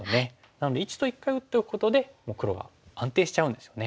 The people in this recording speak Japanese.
なので①と一回打っておくことでもう黒が安定しちゃうんですよね。